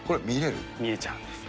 見れちゃうんですよ。